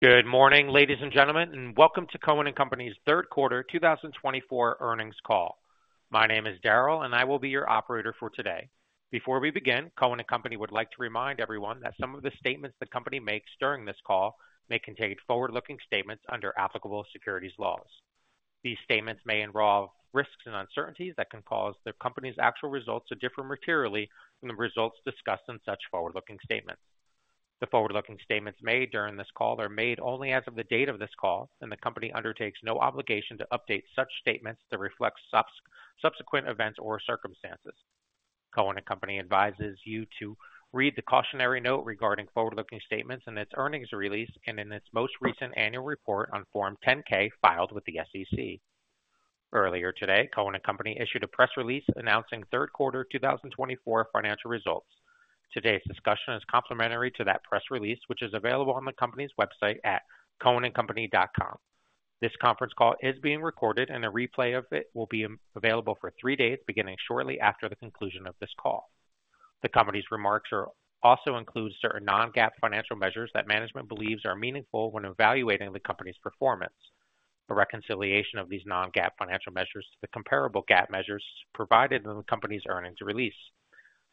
Good morning, ladies and gentlemen, and welcome to Cohen & Company's third quarter 2024 earnings call. My name is Darrell, and I will be your operator for today. Before we begin, Cohen & Company would like to remind everyone that some of the statements the company makes during this call may contain forward-looking statements under applicable securities laws. These statements may involve risks and uncertainties that can cause the company's actual results to differ materially from the results discussed in such forward-looking statements. The forward-looking statements made during this call are made only as of the date of this call, and the company undertakes no obligation to update such statements to reflect subsequent events or circumstances. Cohen & Company advises you to read the cautionary note regarding forward-looking statements in its earnings release and in its most recent annual report on Form 10-K filed with the SEC. Earlier today, Cohen & Company issued a press release announcing third quarter 2024 financial results. Today's discussion is complementary to that press release, which is available on the company's website at cohenandcompany.com. This conference call is being recorded, and a replay of it will be available for 3 days beginning shortly after the conclusion of this call. The company's remarks also include certain non-GAAP financial measures that management believes are meaningful when evaluating the company's performance. A reconciliation of these non-GAAP financial measures to the comparable GAAP measures provided in the company's earnings release.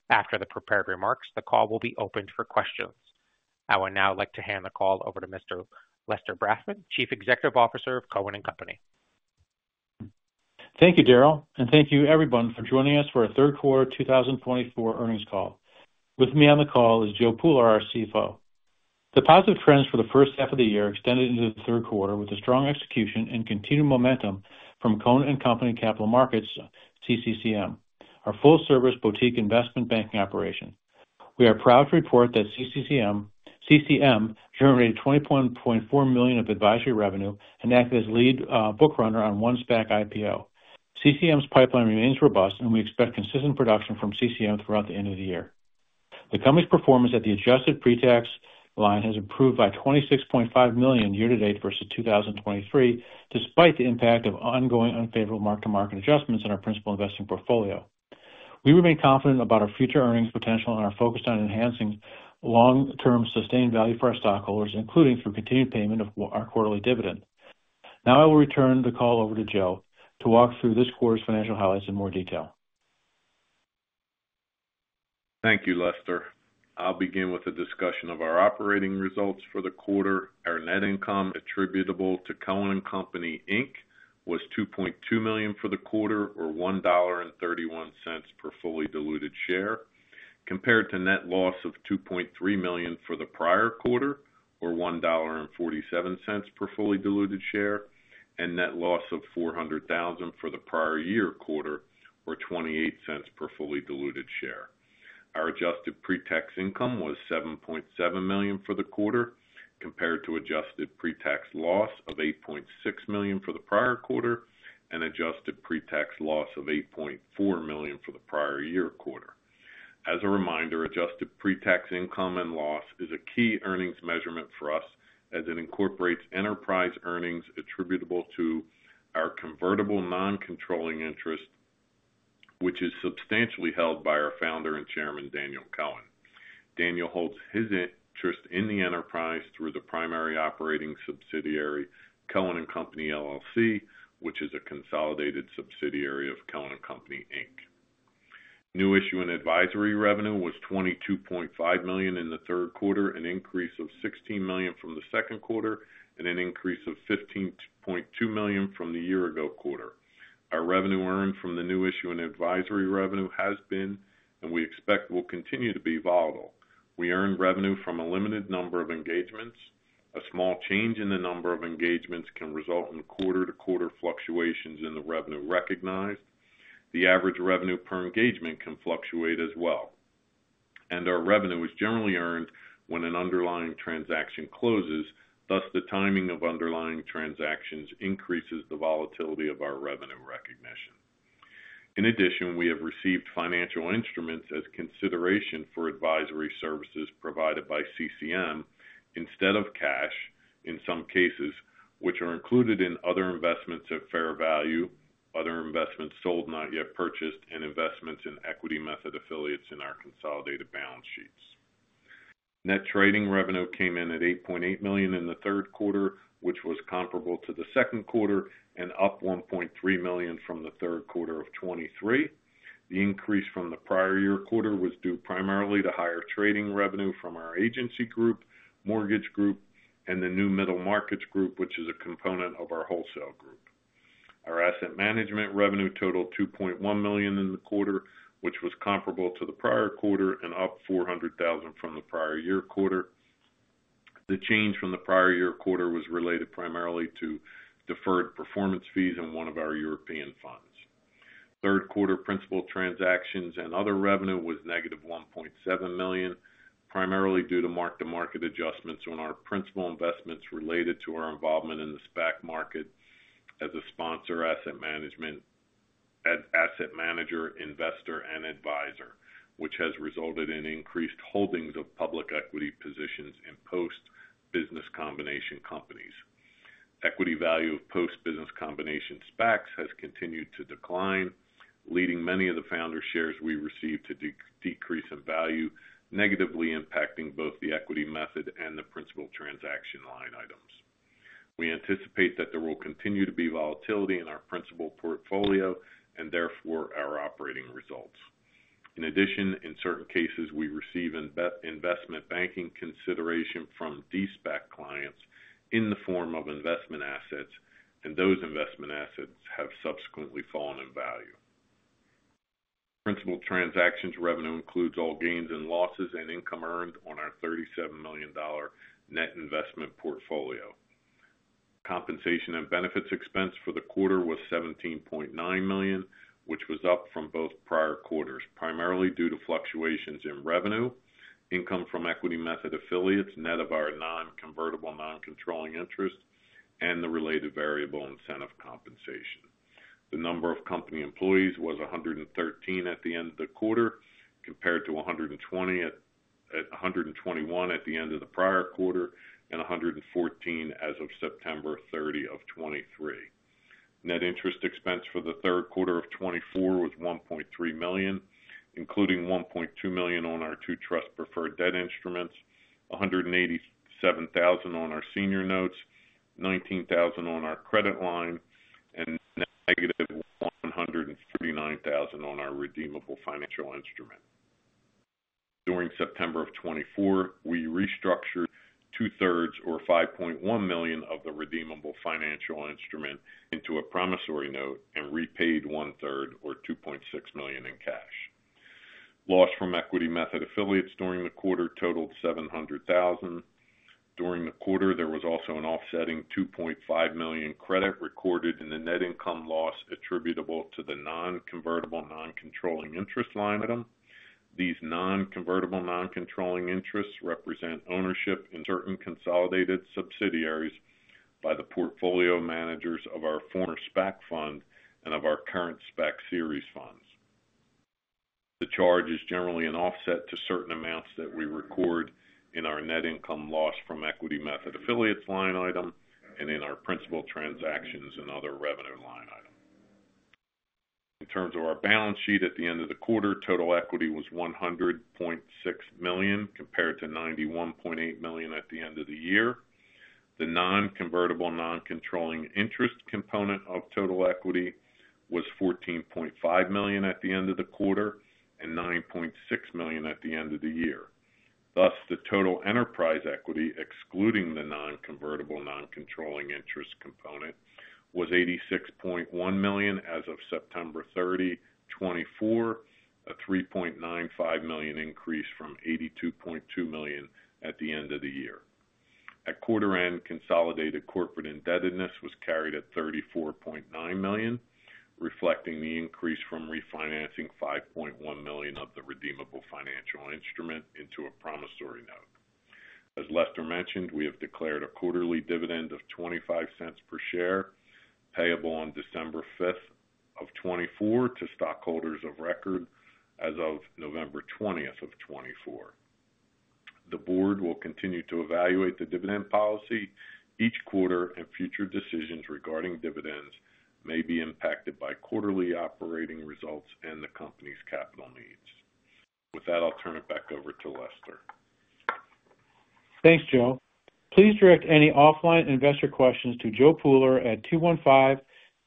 After the prepared remarks, the call will be open for questions. I would now like to hand the call over to Mr. Lester Brafman, Chief Executive Officer of Cohen & Company. Thank you, Darrell, and thank you, everyone, for joining us for our third quarter 2024 earnings call. With me on the call is Joe Pooler, our CFO. The positive trends for the first half of the year extended into the third quarter with a strong execution and continued momentum from Cohen & Company Capital Markets, CCCM, our full-service boutique investment banking operation. We are proud to report that CCCM generated $21.4 million of advisory revenue and acted as lead book runner on one SPAC IPO. CCCM's pipeline remains robust, and we expect consistent production from CCCM throughout the end of the year. The company's performance at the adjusted pre-tax line has improved by $26.5 million year-to-date versus 2023, despite the impact of ongoing unfavorable mark-to-market adjustments in our principal investing portfolio. We remain confident about our future earnings potential and are focused on enhancing long-term sustained value for our stockholders, including through continued payment of our quarterly dividend. Now I will return the call over to Joe to walk through this quarter's financial highlights in more detail. Thank you, Lester. I'll begin with a discussion of our operating results for the quarter. Our net income attributable to Cohen & Company, Inc. was $2.2 million for the quarter, or $1.31 per fully diluted share, compared to net loss of $2.3 million for the prior quarter, or $1.47 per fully diluted share, and net loss of $400,000 for the prior year quarter, or $0.28 per fully diluted share. Our adjusted pre-tax income was $7.7 million for the quarter, compared to adjusted pre-tax loss of $8.6 million for the prior quarter and adjusted pre-tax loss of $8.4 million for the prior year quarter. As a reminder, adjusted pre-tax income and loss is a key earnings measurement for us as it incorporates enterprise earnings attributable to our convertible non-controlling interest, which is substantially held by our founder and chairman, Daniel Cohen. Daniel holds his interest in the enterprise through the primary operating subsidiary, Cohen & Company, LLC, which is a consolidated subsidiary of Cohen & Company, Inc. New issue and advisory revenue was $22.5 million in the third quarter, an increase of $16 million from the second quarter, and an increase of $15.2 million from the year-ago quarter. Our revenue earned from the new issue and advisory revenue has been, and we expect will continue to be volatile. We earned revenue from a limited number of engagements. A small change in the number of engagements can result in quarter-to-quarter fluctuations in the revenue recognized. The average revenue per engagement can fluctuate as well, and our revenue is generally earned when an underlying transaction closes. Thus, the timing of underlying transactions increases the volatility of our revenue recognition. In addition, we have received financial instruments as consideration for advisory services provided by CCM instead of cash in some cases, which are included in other investments at fair value, other investments sold, not yet purchased, and investments in equity method affiliates in our consolidated balance sheets. Net trading revenue came in at $8.8 million in the third quarter, which was comparable to the second quarter and up $1.3 million from the third quarter of 2023. The increase from the prior year quarter was due primarily to higher trading revenue from our Agency Group, Mortgage Group, and the new Middle Markets Group, which is a component of our Wholesale Group. Our asset management revenue totaled $2.1 million in the quarter, which was comparable to the prior quarter and up $400,000 from the prior year quarter. The change from the prior year quarter was related primarily to deferred performance fees and one of our European funds. Third quarter principal transactions and other revenue was -$1.7 million, primarily due to mark-to-market adjustments on our principal investments related to our involvement in the SPAC market as a sponsor, asset manager, investor, and advisor, which has resulted in increased holdings of public equity positions in post-business combination companies. Equity value of post-business combination SPACs has continued to decline, leading many of the founder shares we received to decrease in value, negatively impacting both the equity method and the principal transaction line items. We anticipate that there will continue to be volatility in our principal portfolio and therefore our operating results. In addition, in certain cases, we receive investment banking consideration from de-SPAC clients in the form of investment assets, and those investment assets have subsequently fallen in value. Principal transactions revenue includes all gains and losses and income earned on our $37 million net investment portfolio. Compensation and benefits expense for the quarter was $17.9 million, which was up from both prior quarters, primarily due to fluctuations in revenue, income from equity method affiliates, net of our non-convertible non-controlling interest, and the related variable incentive compensation. The number of company employees was 113 at the end of the quarter, compared to 121 at the end of the prior quarter and 114 as of September 30, 2023. Net interest expense for the third quarter of 2024 was $1.3 million, including $1.2 million on our 2 trust-preferred debt instruments, $187,000 on our senior notes, $19,000 on our credit line, and -$139,000 on our redeemable financial instrument. During September of 2024, we restructured two-thirds, or $5.1 million, of the redeemable financial instrument into a promissory note and repaid one-third, or $2.6 million, in cash. Loss from equity method affiliates during the quarter totaled $700,000. During the quarter, there was also an offsetting $2.5 million credit recorded in the net income loss attributable to the non-convertible non-controlling interest line item. These non-convertible non-controlling interests represent ownership in certain consolidated subsidiaries by the portfolio managers of our former SPAC fund and of our current SPAC series funds. The charge is generally an offset to certain amounts that we record in our net income loss from equity method affiliates line item and in our principal transactions and other revenue line item. In terms of our balance sheet at the end of the quarter, total equity was $100.6 million compared to $91.8 million at the end of the year. The non-convertible non-controlling interest component of total equity was $14.5 million at the end of the quarter and $9.6 million at the end of the year. Thus, the total enterprise equity, excluding the non-convertible non-controlling interest component, was $86.1 million as of September 30, 2024, a $3.95 million increase from $82.2 million at the end of the year. At quarter-end, consolidated corporate indebtedness was carried at $34.9 million, reflecting the increase from refinancing $5.1 million of the redeemable financial instrument into a promissory note. As Lester mentioned, we have declared a quarterly dividend of $0.25 per share payable on December 5th, 2024 to stockholders of record as of November 20th, 2024. The board will continue to evaluate the dividend policy. Each quarter and future decisions regarding dividends may be impacted by quarterly operating results and the company's capital needs. With that, I'll turn it back over to Lester. Thanks, Joe. Please direct any offline investor questions to Joe Pooler at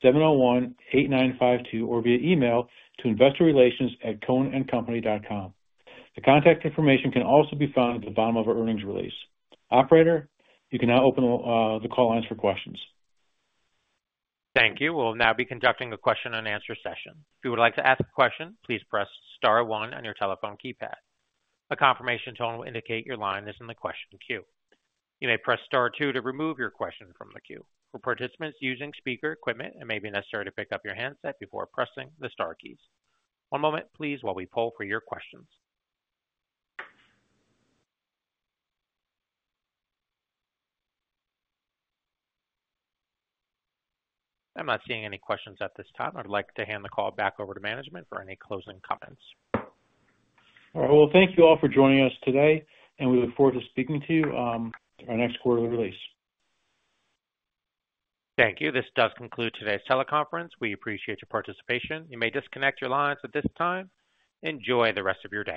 215-701-8952 or via email to investorrelations@cohenandcompany.com. The contact information can also be found at the bottom of our earnings release. Operator, you can now open the call lines for questions. Thank you. We'll now be conducting a question-and-answer session. If you would like to ask a question, please press star one on your telephone keypad. A confirmation tone will indicate your line is in the question queue. You may press star two to remove your question from the queue. For participants using speaker equipment, it may be necessary to pick up your handset before pressing the star keys. One moment, please, while we poll for your questions. I'm not seeing any questions at this time. I'd like to hand the call back over to management for any closing comments. All right. Well, thank you all for joining us today, and we look forward to speaking to you at our next quarterly release. Thank you. This does conclude today's teleconference. We appreciate your participation. You may disconnect your lines at this time. Enjoy the rest of your day.